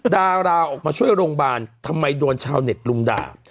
ดาราออกมาช่วยโรงพยาบาลทำไมโดนชาวเน็ตรุมด่า